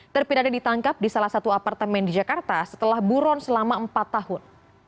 terpidana ditangkap di salah satu apartemen di jakarta setelah buron selama empat tahun